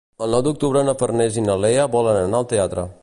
El nou d'octubre na Farners i na Lea volen anar al teatre.